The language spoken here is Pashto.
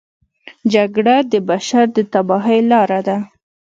جګړه د بشر د تباهۍ لاره ده